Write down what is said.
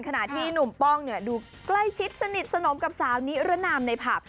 ขณะที่หนุ่มป้องดูใกล้ชิดสนิทสนมกับสาวนิรนามในผับ